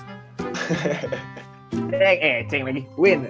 eh ceng lagi win